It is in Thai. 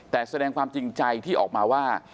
แต่แสดงความจริงใจที่ออกมาว่า